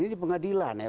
ini pengadilan ya